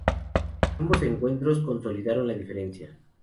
Ambos encuentros consolidaron la Diferencia.